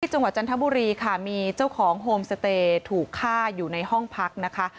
จังหวัดจันทบุรีค่ะมีเจ้าของโฮมสเตย์ถูกฆ่าอยู่ในห้องพักนะคะ